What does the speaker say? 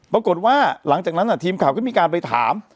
ปรากฏว่าหลังจากนั้นทีมข่าวก็มีการไปถาม